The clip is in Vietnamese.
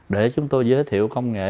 để chúng tôi giới thiệu công nghệ